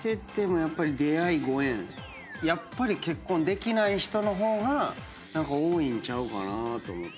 やっぱり結婚できない人の方が何か多いんちゃうかなと思って。